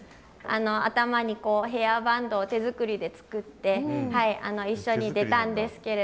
頭にヘアバンドを手作りで作ってはい一緒に出たんですけれども。